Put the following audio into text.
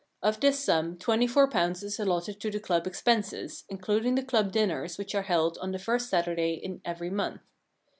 Of this sum twenty four pounds is allotted to the club expenses, in cluding the club dinners which are held on the first Saturday in every month.